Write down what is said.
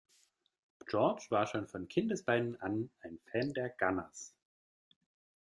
George war schon von Kindesbeinen an ein Fan der Gunners.